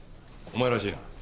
お前らしいな。